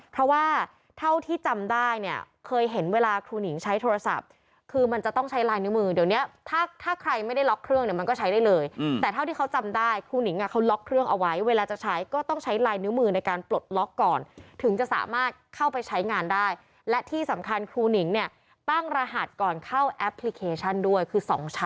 เพราะว่าเท่าที่จำได้เนี่ยเคยเห็นเวลาครูหนิงใช้โทรศัพท์คือมันจะต้องใช้ลายนิ้วมือเดี๋ยวนี้ถ้าใครไม่ได้ล็อกเครื่องเนี่ยมันก็ใช้ได้เลยแต่เท่าที่เขาจำได้ครูหนิงอ่ะเขาล็อกเครื่องเอาไว้เวลาจะใช้ก็ต้องใช้ลายนิ้วมือในการปลดล็อกก่อนถึงจะสามารถเข้าไปใช้งานได้และที่สำคัญครูหนิงเนี่ยตั้งรหัสก่อนเข้าแอปพลิเคชันด้วยคือ๒ชั้น